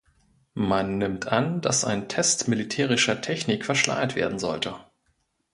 Man nimmt an, dass ein Test militärischer Technik verschleiert werden sollte.